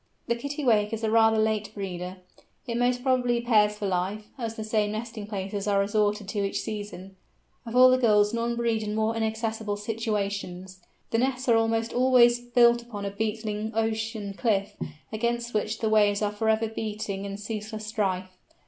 The Kittiwake is a rather late breeder. It most probably pairs for life, as the same nesting places are resorted to each season. Of all the Gulls none breed in more inaccessible situations. The nests are almost always built upon a beetling ocean cliff, against which the waves are for ever beating in ceaseless strife.